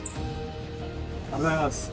おはようございます。